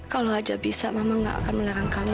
kalau aja bisa mama nggak akan melarang kamu